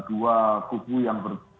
dua kubu yang ber